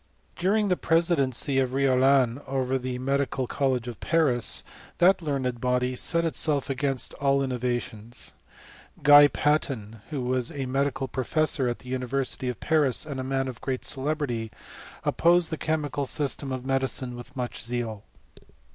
During the presidency of Riolan over the Medical College of Paris, that learned body set itself against all innovations. Guy Patin, who was a medical pro<^ fessor in the University of Paris, and a man of great celebrity, opposed the chemical system of medicine with much zeal.